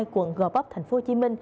quận gò bấp tp hcm